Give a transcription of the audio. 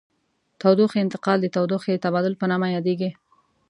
تودوخې انتقال د تودوخې د تبادل په نامه یادیږي.